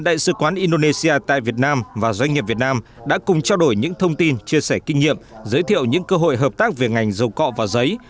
đại sứ quán indonesia tại việt nam và doanh nghiệp việt nam đã cùng trao đổi những thông tin chia sẻ kinh nghiệm giới thiệu những cơ hội hợp tác về ngành dầu cọ và giấy